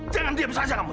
jangan diam saja kamu